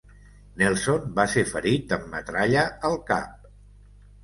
Nelson va ser ferit amb metralla al cap.